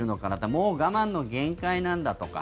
もう我慢の限界なんだとか。